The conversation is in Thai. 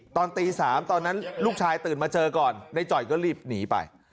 ตอนตี๓ตอนนั้นลูกชายตื่นมาเจอก่อนในจ่อยก็รีบหนีไป